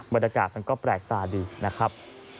บรรยากาศมันก็แปลกตาดีนะครับ